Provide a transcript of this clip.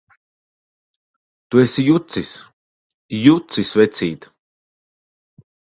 Tu esi jucis! Jucis, vecīt!